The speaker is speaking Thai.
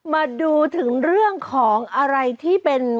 มาดูถึงเรื่องของอะไรที่เป็น